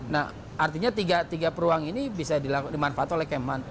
nah artinya tiga tiga peruang ini bisa dimanfaatkan oleh km han